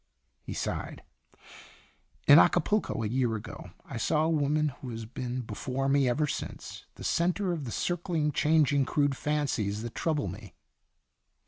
'" He sighed, "In Acapulco, a year ago, I saw a woman who has been before me ever since the centre of the circling, chang ing, crude fancies that trouble me."